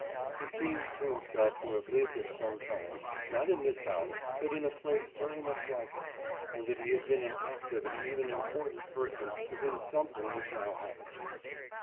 He seemed to himself to have lived at some time, not in this house, but in a place very much like it; and that he had been an active and even important person to whom something was now happening.